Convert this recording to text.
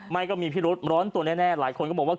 ก็มีพิรุษร้อนตัวแน่หลายคนก็บอกว่า